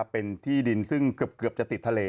เป็นที่ดินซึ่งเกือบจะติดทะเล